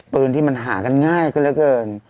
ปืนที่มันหากันง่ายกันเยอะเกิน